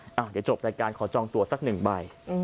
เดี๋ยวจบรายการขอจองตัวสักหนึ่งใบ